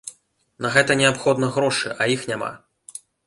На гэта неабходна грошы, а іх няма.